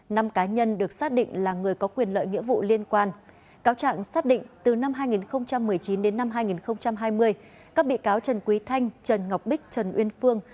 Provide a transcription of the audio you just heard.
năm cá nhân được xác định là người có quyền lợi nghĩa vụ liên quan cáo trạng xác định từ năm hai nghìn một mươi chín đến năm hai nghìn hai mươi các bị cáo trần quý thanh trần ngọc bích trần uyên phương